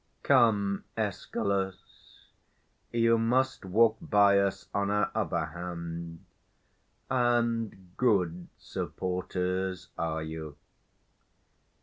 Come, Escalus; You must walk by us on our other hand: And good supporters are you.